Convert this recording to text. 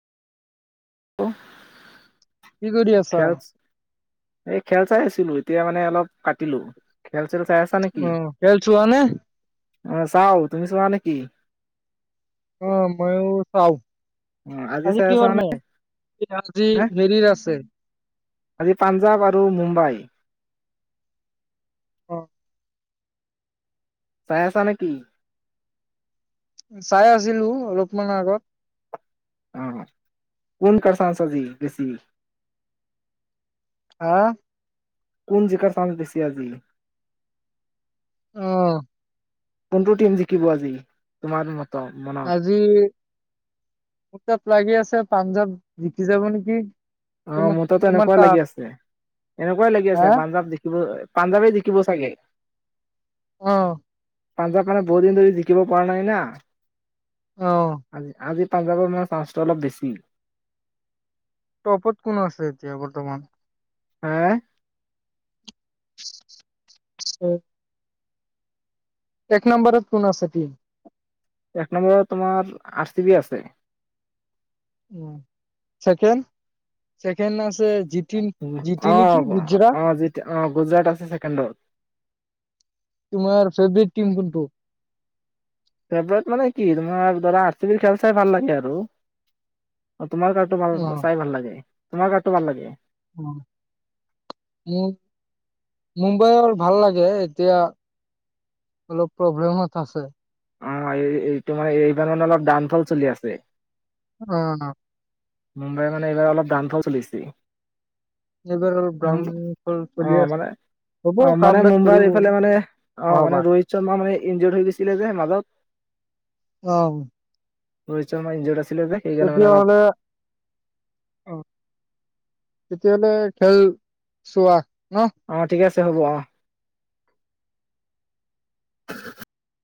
অ কি কৰি আছা এই খেল চাই আছিলো এতিয়া মানে অলপ কাতিলো খেল চেল চাই আছা নেকি? উ খেল ছোৱানে? অ চাও তুমি চোৱা নেকি অ মইো চাও অ' আজি চাই কি আছা বাৰ ম নে? আজি হা হেৰিত আছে আজি পাঞ্জাৱ আৰু মুম্বাই অ চাই আছা নেকি চাই আছিলো অলপমান আগত আহ কোন কছাছজি বঋছি হা কোন জিকাৰ চাম বছি আজি আহ কোনটো টিম জিকিব আজি তোমাৰ মনত আজি মোৰ তাত লাগি আছে পাঞ্জাৱ জিকি যাব নেকি অ তোমাৰ মো তাত তোমাৰ এনেকুৱাই তাত, লাগি আছে এনেকুৱাই লাগি হা? আছে পাঞ্জাৱ দেখিব পাঞ্জাবেই জিখিব চাগে আহ পাঞ্জাৱ মানে বহুত দিন ধৰি জিকিব পৰা নাই না অ', আজি আজি পাঞ্জাৱৰ মে চানসটো অলপ বেছি পত কোনো আছে এতিয়া বৰ্তমান হা উম এক নম্বৰত কোন আছে এক নম্বৰত তোমাৰ আৰ চি বি আছে চেকেড আছে জিটি নেকি অঁ গুজৰাট। অঁ, যেতিয়া অঁ, গুজৰাট আছে ছেকেণ্ডজ। তোমাৰ ফেভট টম কোনটো? ফেভৰেট মানে কি, তোমাৰ ধৰা আৰ চি বি খেল চাই ভাল লাগে আৰু। অঁ তুমাৰ কাৰাটো বাৰু চাই ভাল লাগে? তোমাৰ কাৰটো ভাল লাগে? মুম্বাই ভাল লাগে এতিয়া অলপ প্ৰব্লেমত আছে। অঁ, এই এইটো মানে এইবাৰ মানে অলপ ডানফল চলি আছে। অঁ মুম্বাইৰ মানে এইবাৰ অলপ দানফাও চলিছে। এইবাৰ অলপ ডাউন ফল চলি অঁ আছে মানে হ'ব অ কাম মানে বেক কৰিব মুম্বাইৰ এইফালে মানে আহ অহাবাৰ। মানে ৰোহিত শৰ্মা মানে ইনজৰ্ হৈ গৈছিলে যে মাজত অঁ চই মজ [unintelligible] ছিলে, যে সেইকাৰণে মানে অলপ তেতিয়াহ'লে অ তেতিয়াহলে খেল চোৱা ন? অঁ ঠিক আছে। চহব [unintelligible]